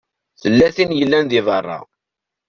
Tella tin i yellan di beṛṛa.